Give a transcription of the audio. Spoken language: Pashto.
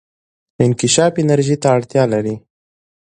انکشاف انرژي ته اړتیا لري.